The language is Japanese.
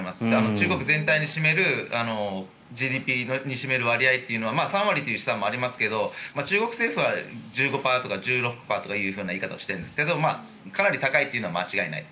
中国全体に占めるＧＤＰに占める割合というのは３割という試算もありますが中国政府は１５％とか１６％という言い方をしていますがかなり高いというのは間違いない。